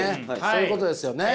そういうことですよね。